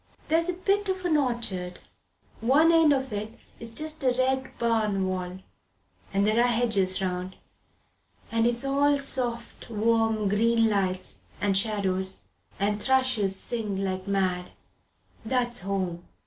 There's a bit of an orchard one end of it is just a red barn wall and there are hedges round, and it's all soft warm green lights and shadows and thrushes sing like mad. That's home!"